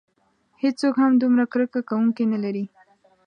هیڅوک هم دومره کرکه کوونکي نه لري.